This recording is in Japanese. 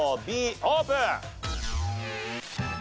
Ｂオープン！